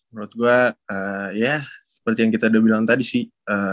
menurut gue ya seperti yang kita udah bilang tadi sih